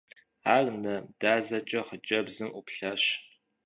Ар нэ дазэкӀэ хъыджэбзым Ӏуплъащ.